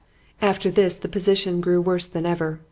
"After this the position grew worse than ever.